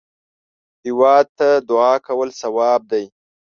هېواد ته دعا کول ثواب دی